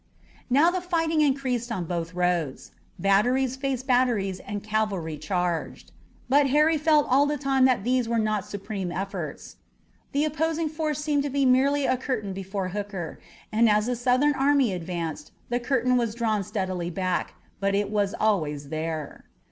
Now the fighting increased on both roads. Batteries faced batteries and cavalry charged. But Harry felt all the time that these were not supreme efforts. The opposing force seemed to be merely a curtain before Hooker, and as the Southern army advanced the curtain was drawn steadily back, but it was always there.